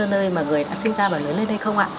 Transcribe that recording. nơi mà người đã sinh ra và lớn lên đây không ạ